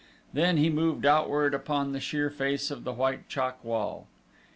Then he moved outward upon the sheer face of the white chalk wall.